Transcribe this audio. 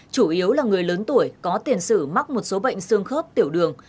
chủ yếu là người lớn tuổi có tiền sử mắc một số bệnh xương khớp tiểu đường